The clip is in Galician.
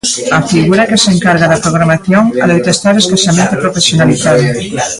A figura que se encarga da programación adoita estar escasamente profesionalizada.